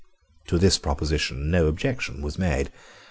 To this proposition no objection was made.